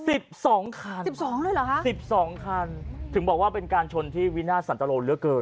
สิบสองคันสิบสองเลยเหรอฮะสิบสองคันถึงบอกว่าเป็นการชนที่วินาทสันตโลเหลือเกิน